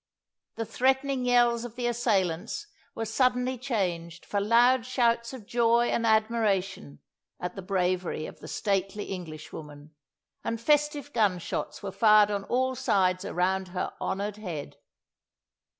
"The threatening yells of the assailants were suddenly changed for loud shouts of joy and admiration at the bravery of the stately Englishwoman, and festive gunshots were fired on all sides around her honoured head.